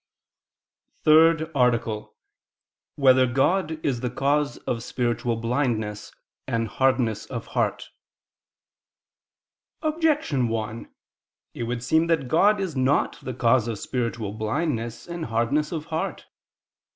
________________________ THIRD ARTICLE [I II, Q. 79, Art. 3] Whether God Is the Cause of Spiritual Blindness and Hardness of Heart? Objection 1: It would seem that God is not the cause of spiritual blindness and hardness of heart.